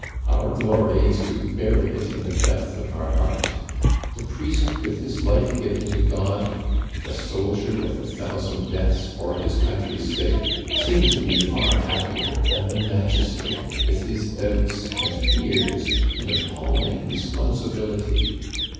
Our glory is to bury it in the depth of our heart. The priest with his life given to God, the soldier with a thousand deaths for his country's sake, seem to me far happier than the magistrate with his doubts and fears and appalling responsibility.